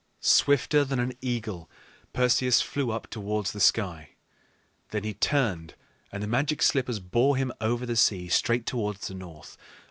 Swifter than an eagle, Perseus flew up towards the sky. Then he turned, and the Magic Slippers bore him over the sea straight towards the north.